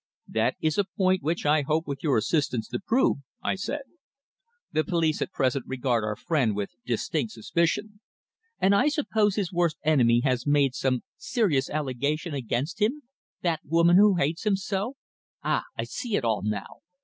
"That is a point which I hope with your assistance to prove," I said. "The police at present regard our friend with distinct suspicion." "And I suppose his worst enemy has made some serious allegation against him that woman who hates him so. Ah! I see it all now.